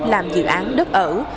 làm dự án đất ở